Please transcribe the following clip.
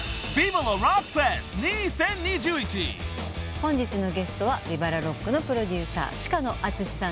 本日のゲストはＶＩＶＡＬＡＲＯＣＫのプロデューサー鹿野淳さんです。